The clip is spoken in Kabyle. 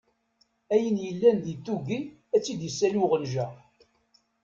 Ayen yellan di tuggi ad t-id-issali uɣenǧa.